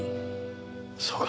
そうか。